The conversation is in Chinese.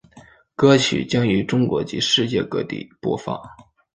歌曲将于中国及世界各地播放。